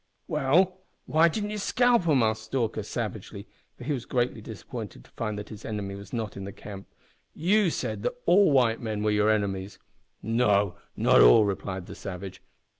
"Well, why didn't ye scalp them!" asked Stalker, savagely, for he was greatly disappointed to find that his enemy was not in the camp. "You said that all white men were your enemies." "No, not all," replied the savage.